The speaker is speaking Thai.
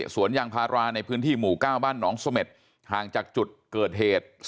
สวนยางพาราในพื้นที่หมู่๙บ้านหนองเสม็ดห่างจากจุดเกิดเหตุ